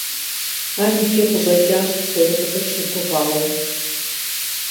Ар икӏи къыщӏэкӏащ псори къызэрыщыгугъауэ.